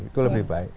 itu lebih baik